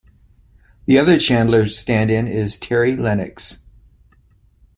The other Chandler stand-in is Terry Lennox.